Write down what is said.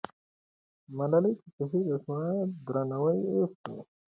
ملالۍ چې شهیده سوه، درناوی یې وسو.